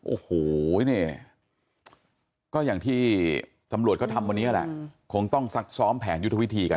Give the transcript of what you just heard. โอ้โหเนี่ยก็อย่างที่ตำรวจเขาทำวันนี้แหละคงต้องซักซ้อมแผนยุทธวิธีกัน